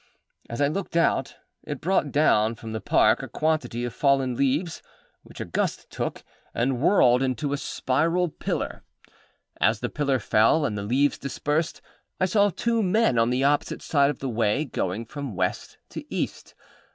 As I looked out, it brought down from the Park a quantity of fallen leaves, which a gust took, and whirled into a spiral pillar. As the pillar fell and the leaves dispersed, I saw two men on the opposite side of the way, going from West to East.